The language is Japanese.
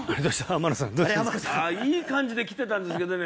天野さんいい感じできてたんですけどね